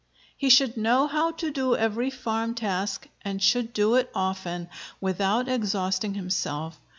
He should know how to do every farm task and should do it often, without exhausting himself.